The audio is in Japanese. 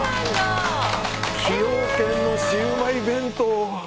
崎陽軒のシウマイ弁当。